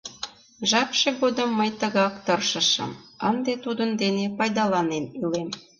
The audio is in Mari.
Жапше годым мый тыгак тыршышым, ынде тудын дене пайдаланен илем.